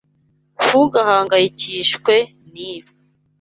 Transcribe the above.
Ntugahangayikishwe nibi.